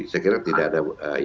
saya kira tidak ada